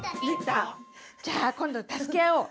じゃあ今度助け合おう！